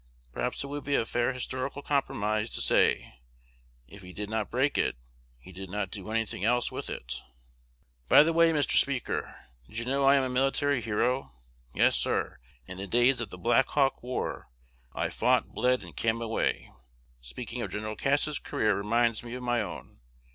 Perhaps it would be a fair historical compromise to say, if he did not break it, he did not do any thing else with it. "By the way, Mr. Speaker, did you know I am a military hero? Yes sir: in the days of the Black Hawk War, I fought, bled, and came away. Speaking of Gen. Cass's career reminds me of my own.